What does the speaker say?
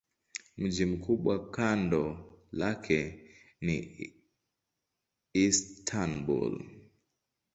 Mji mkubwa kando lake ni Istanbul.